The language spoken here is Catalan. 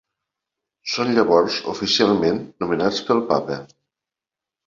Són llavors oficialment nomenats pel Papa.